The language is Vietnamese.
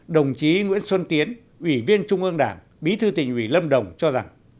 đồng chí nguyễn xuân tiến ủy viên trung ương đảng bí thư tỉnh ủy lâm đồng cho rằng